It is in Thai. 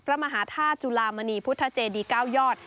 พระมหาธาตุจุลามณีพุทธเจดี๙ยอด